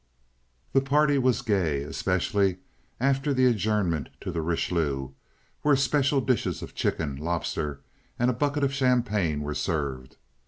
The party was gay, especially after the adjournment to the Richelieu, where special dishes of chicken, lobster, and a bucket of champagne were served.